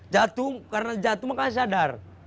jatuh karena jatuh makanya sadar